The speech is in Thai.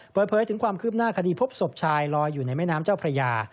เปิดเผยถึงความคืบหน้าคดีพบศพชายลอยอยู่ในแม่น้ำเจ้าพระยา